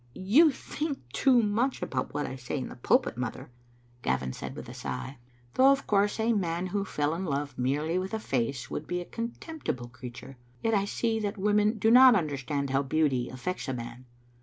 " You think too much about what I say in the pulpit, mother," Gavin said, with a sigh, "though of course a man who fell in love merely with a face would be a contemptible creature. Yet I see that women do not understand how beauty afiEects a man."